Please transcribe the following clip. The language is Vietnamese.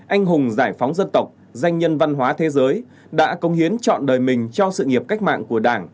anh hùng giải phóng dân tộc danh nhân văn hóa thế giới đã công hiến chọn đời mình cho sự nghiệp cách mạng của đảng